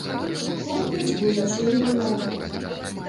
Комплекс быў зачынены на рамонт.